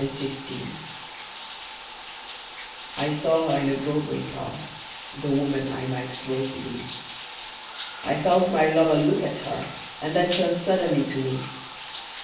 THE OLD MAID I SAW her in a Broadway car, The woman I might grow to be; I felt my lover look at her And then turn suddenly to me.